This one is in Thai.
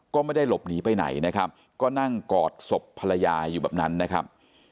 ก็ไม่ได้หลบหนีไปไหนนะครับก็นั่งกอดศพภรรยาอยู่แบบนั้นนะครับ